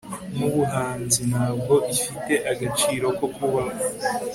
nk'ubuhanzi ntabwo ifite agaciro ko kubaho